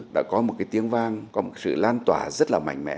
đã có một cái tiếng vang có một sự lan tỏa rất là mạnh mẽ